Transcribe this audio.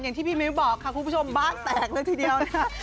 อย่างที่พี่มิวบอกค่ะพูดคุณประชาบ้างแตกที่เดียวนะครับ